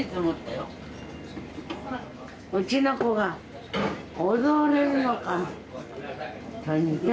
うちの子が踊れるのか。